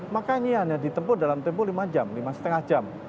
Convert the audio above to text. makanya hanya di tempuh dalam tempuh lima jam lima lima jam